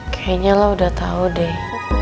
kayaknya lah udah tau deh